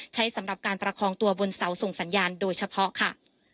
สำหรับการประคองตัวบนเสาส่งสัญญาณโดยเฉพาะค่ะ